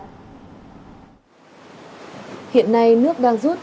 hiện nay nước đang rút